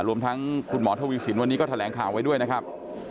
รวมทั้งคุณหมอทวีสินวันนี้ก็แถลงข่าวไว้ด้วยนะครับ